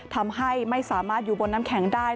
ทำให้ไม่สามารถอยู่บนน้ำแข็งได้